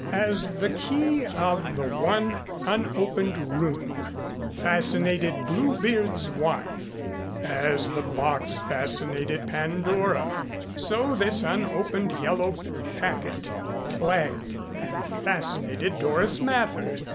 As the key of the one unopened room fascinated Blue Beard's wife, as the box fascinated Pandora, so this unopened yellow packet plagued and fascinated Doris Mather.